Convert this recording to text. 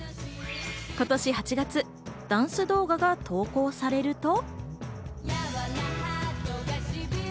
今年８月、ダンス動画が投稿されると。